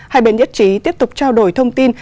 hai bên nhất trí tiếp tục trao đổi thông tin